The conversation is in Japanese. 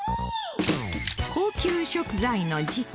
高級食材の時価